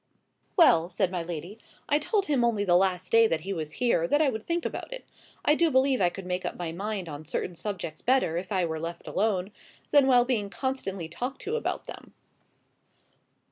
"Well," said my lady, "I told him only the last day that he was here, that I would think about it. I do believe I could make up my mind on certain subjects better if I were left alone, than while being constantly talked to about them."